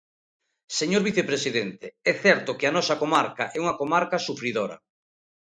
Señor vicepresidente, é certo que a nosa comarca é unha comarca sufridora.